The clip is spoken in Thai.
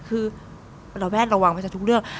คือระแวดระวังไปจากทุกเรื่อง